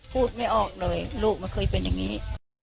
พูดไม่ออกเลยลูกไม่เคยเป็นอย่างนี้